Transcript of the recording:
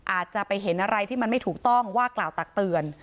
อาจจะไปเห็นอะไรที่มันไม่ถูกต้องว่ากล่าวตักเตือน